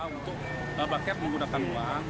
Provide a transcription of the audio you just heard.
untuk lomba untuk menggunakan uang